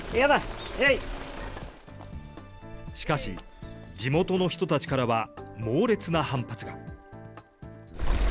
しかし、地元の人たちからは猛烈な反発が。